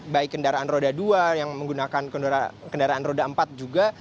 baik kendaraan roda dua yang menggunakan kendaraan roda empat juga